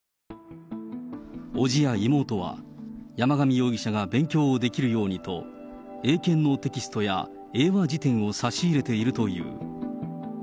伯父や妹は、山上容疑者が勉強できるようにと、英検のテキストや英和辞典を差し入れているという。